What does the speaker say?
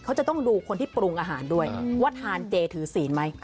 เขาจะต้องดูคนที่ปรุงอาหารด้วยว่าทานเจถือศีลไหม